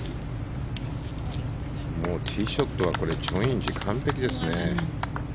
ティーショットはこれチョン・インジ完璧ですね。